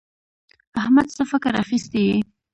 احمده څه فکر اخيستی يې؟